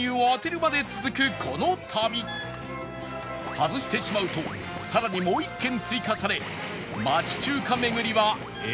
外してしまうとさらにもう一軒追加され